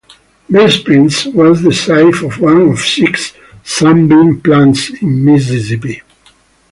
Bay Springs was the site of one of six Sunbeam plants in Mississippi.